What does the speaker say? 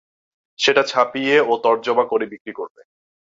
সেটা ছাপিয়ে ও তর্জমা করে বিক্রী করবে।